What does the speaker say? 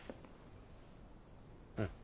うん。